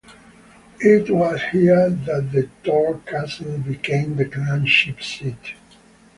It was here that Tor Castle became the clan chief's seat.